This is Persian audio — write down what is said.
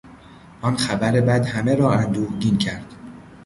آن خبر بد همه را اندوهگین کرد.